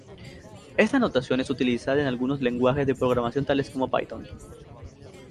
Esta notación es utilizada en algunos lenguajes de programación tales como Python.